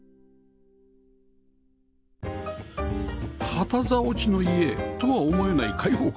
旗竿地の家とは思えない開放感